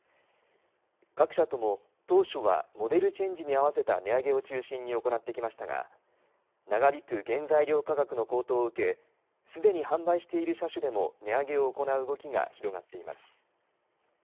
各社とも当初はモデルチェンジにあわせた値上げを中心に行ってきましたが長引く原材料価格の高騰を受けすでに販売している車種でも値上げを行う動きが広がっています。